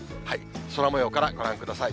空もようからご覧ください。